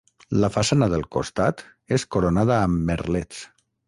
La façana del costat és coronada amb merlets.